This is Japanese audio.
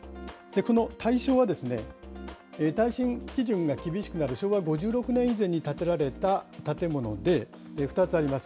この対象は、耐震基準が厳しくなる昭和５６年以前に建てられた建物で、２つあります。